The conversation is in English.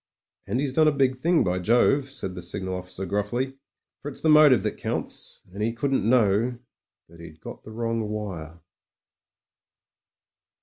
"And he's done a big thing, by Jove," said the signal officer gruffly, "for it's the motive that counts. And he couldn't know that he'd got the wrong wire."